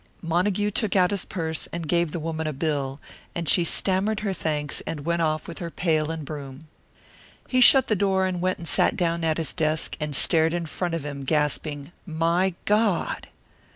Montague took out his purse and gave the woman a bill; and she stammered her thanks and went off with her pail and broom. He shut the door and went and sat down at his desk, and stared in front of him, gasping, "My God!"